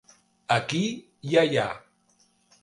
Aquí i allà.